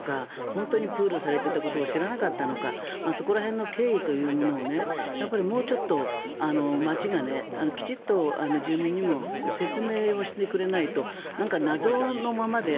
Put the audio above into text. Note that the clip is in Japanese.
本当にプールされていたことを知らなかったのかそこら辺の経緯というものをもうちょっと町がきちんと住民にも説明をしてくれないと謎のままで